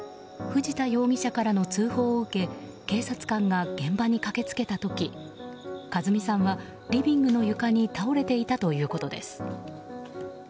藤田容疑者からの通報を受け警察官が現場に駆け付けた時佳寿美さんはリビングの床に倒れていたということです。